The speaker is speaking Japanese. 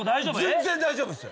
全然大丈夫っす。